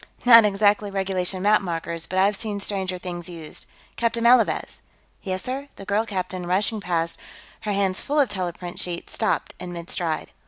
"Not exactly regulation map markers, but I've seen stranger things used.... Captain Malavez!" "Yes, sir?" The girl captain, rushing past, her hands full of teleprint sheets, stopped in mid stride.